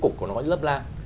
có bối cục nó có lớp lam